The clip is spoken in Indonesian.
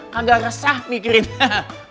kagak resah mikirin masalah pak bos mulu